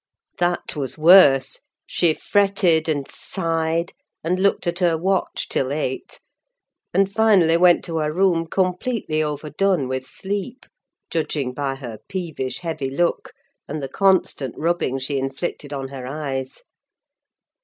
That was worse: she fretted and sighed, and looked at her watch till eight, and finally went to her room, completely overdone with sleep; judging by her peevish, heavy look, and the constant rubbing she inflicted on her eyes.